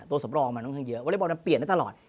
ตัวสำรองมันต้องเยอะวอเรทบอลมันเปลี่ยนได้ตลอด